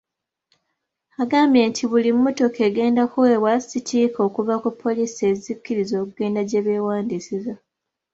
Agambye nti buli mmotoka egenda kuweebwa sitiika okuva ku poliisi ezikkiriza okugenda gye beewandiisiza.